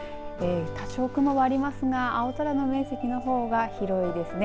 多少雲はありますが青空の面積のほうが広いですね。